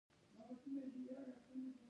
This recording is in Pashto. د جهاد له پيل څخه له اسعارو سره را ننوتل.